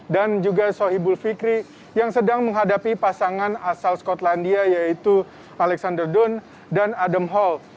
dan juga sohibul fikri yang sedang menghadapi pasangan asal skotlandia yaitu alexander doon dan adam hall